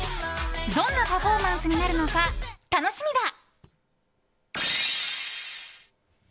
どんなパフォーマンスになるのか楽しみだ。